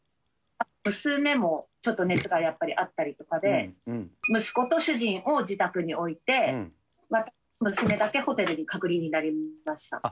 娘もちょっと熱がやっぱりあったりとかで、息子と主人を自宅に置いて、私と娘だけホテルで隔離になりました。